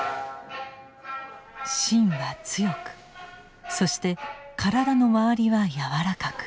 芯は強くそして体のまわりは柔らかく。